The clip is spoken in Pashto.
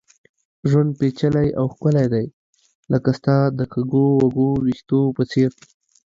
ژوند پېچلی او ښکلی دی ، لکه ستا د کږو ويښتو په څېر